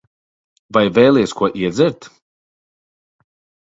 Vai vēlies ko iedzert?